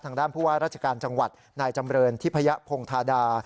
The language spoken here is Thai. ทางด้านผู้ว่าราชการจังหวัดนายจำเรินทิพยพงธาดา